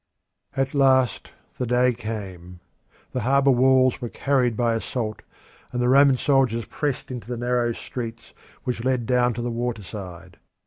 At last the day came. The harbour walls were carried by assault, and the Roman soldiers pressed into the narrow streets which led down to the water side.